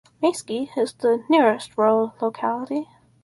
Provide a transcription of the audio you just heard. Maysky is the nearest rural locality.